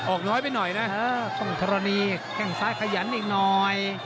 ออกน้อยไปหน่อยนะครับตรงตะลอนีแก้งซ้ายขยันอีกหน่อย